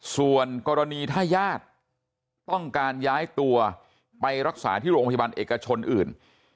ส่วนกรณีถ้าญาติต้องการย้ายตัวไปรักษาที่โรงพยาบาลเอกชนอื่น